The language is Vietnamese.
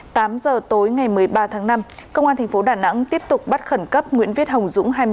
tám h tối ngày một mươi ba tháng năm công an tp đà nẵng tiếp tục bắt khẩn cấp nguyễn viết hồng dũng